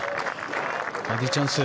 バーディーチャンス！